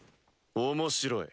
面白い。